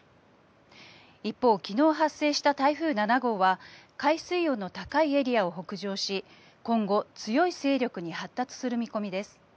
一方、昨日発生した台風７号は海水温の高いエリアを北上し今後、強い勢力に発達する見込みです。